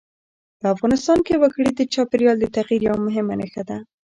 په افغانستان کې وګړي د چاپېریال د تغیر یوه مهمه نښه ده.